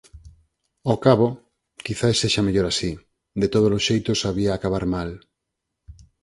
Ó cabo, quizais sexa mellor así, de tódolos xeitos había acabar mal!